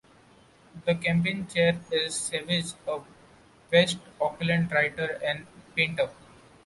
The campaign chair is Savage, a west Auckland writer and painter.